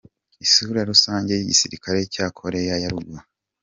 Isura rusange y’igisirikare cya Koreya ya Ruguru.